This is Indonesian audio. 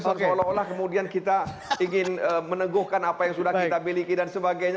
seolah olah kemudian kita ingin meneguhkan apa yang sudah kita miliki dan sebagainya